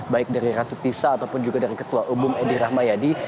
baik dari ratu tisa ataupun juga dari ketua umum edi rahmayadi